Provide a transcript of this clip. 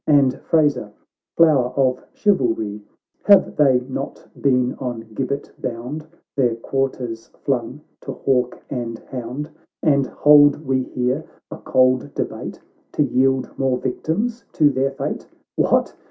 And Fraser, flower of chivalry ?w Have they not been on gibbet bound, Their quarters flung to hawk and hound, And hold we here a cold debate, To yield more victims to their fate ? What